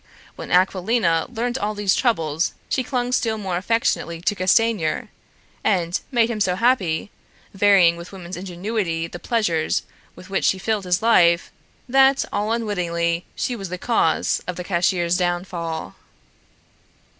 When Aquilina learned all these troubles she clung still more affectionately to Castanier, and made him so happy, varying with woman's ingenuity the pleasures with which she filled his life, that all unwittingly she was the cause of the cashier's downfall.